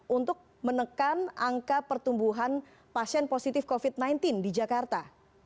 untuk menekan angka pertumbuhan pasien positif covid sembilan belas di jakarta